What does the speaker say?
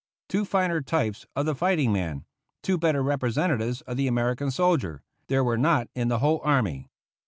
Two finer types of the fighting man, two better representatives of the American soldier, there were not in the whole army.